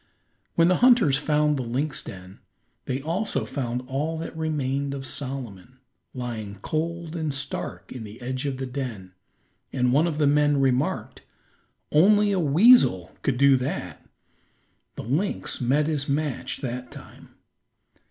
When the hunters found the lynx den, they also found all that remained of Solomon lying cold and stark in the edge of the den. And one of the men remarked: "Only a weasel could do that. The lynx met his match that time."